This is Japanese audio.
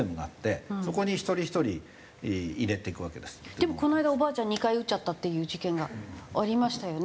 でもこの間おばあちゃん２回打っちゃったっていう事件がありましたよね？